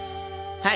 はい。